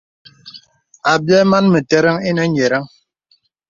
Àbyɛ̌ màn mə̀tə̀ràŋ ìnə nyə̀rəŋ.